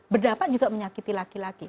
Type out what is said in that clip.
berdampak juga menyakiti laki laki